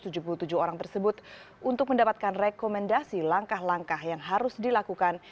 telah mengadakan wawancara dengan satu ratus tujuh puluh tujuh orang tersebut untuk mendapatkan rekomendasi langkah langkah yang harus dilakukan